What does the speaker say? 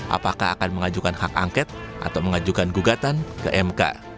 apakah akan mengajukan hak angket atau mengajukan gugatan ke mk